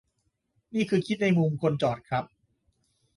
นี่คือคิดในมุมคนจอดครับ